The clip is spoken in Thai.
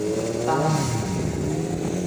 ตั้ง